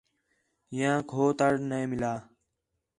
ہِیانک ہو تَڑ نَے مِلّا